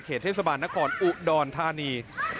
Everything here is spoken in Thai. เขตเทศบาลนครอบค์อุดอนทานี